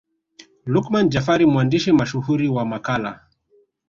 Luqman Jafari mwandishi mashuhuri wa Makala